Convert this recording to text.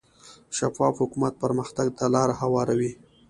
شفاف حکومت پرمختګ ته لار هواروي.